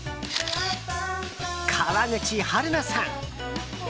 川口春奈さん。